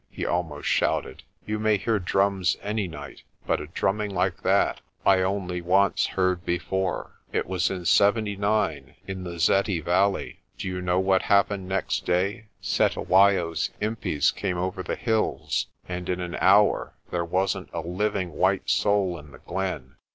he al most shouted. "You may hear drums any night, but a drum ming like that I only once heard before. It was in '79 in the 'Zeti valley. Do you know what happened next day? Cetewayo's impis came over the hills, and in an hour there wasn't a living white soul in the glen.